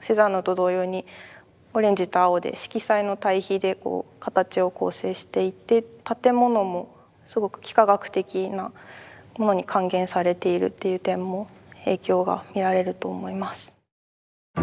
セザンヌと同様にオレンジと青で色彩の対比で形を構成していて建物もすごく幾何学的なものに還元されているという点も影響が見られると思います。